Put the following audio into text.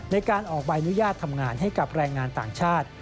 ในการออกใบอนุญาตทำงานให้กับแรงงานต่างชาติ